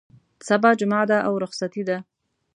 سبا جمعه ده او رخصتي ده.